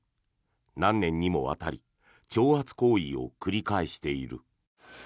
何年にもわたり挑発行為を繰り返している。